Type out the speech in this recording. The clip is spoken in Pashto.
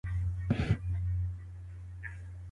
لاس لیکنه د شخصي رازونو د ساتلو لاره ده.